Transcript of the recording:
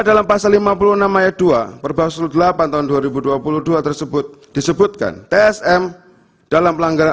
dalam pasal lima puluh enam ayat dua perbasu delapan tahun dua ribu dua puluh dua tersebut disebutkan tsm dalam pelanggaran